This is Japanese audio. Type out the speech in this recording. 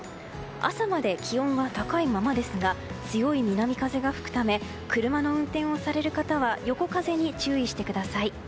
朝まで気温は高いままですが強い南風が吹くため車の運転をされる方は横風に注意してください。